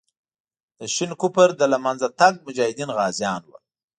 د شین کفر د له منځه تګ مجاهدین غازیان وو.